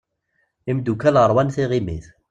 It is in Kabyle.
Imddukal rwan tiɣimit.